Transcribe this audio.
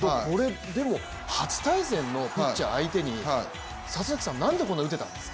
初対戦のピッチャー相手に里崎さんはなんでこんなに打てたんですか？